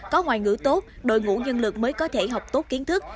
có ngoại ngữ tốt đội ngũ nhân lực mới có thể học tốt kiến thức